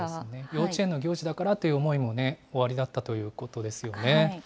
幼稚園の行事だからという思いもね、おありだったということですよね。